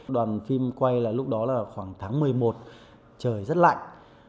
đoàn phim quay là lúc đó là khoảng tháng một mươi một trời rất lạnh